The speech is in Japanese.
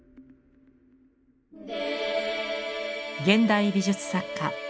現代美術作家